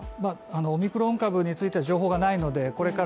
オミクロン株について情報がないのでこれから